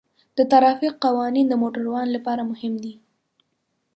د ترافیک قوانین د موټروانو لپاره مهم دي.